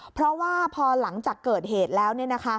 เพราะว่าพอหลังจากเกิดเหตุแล้ว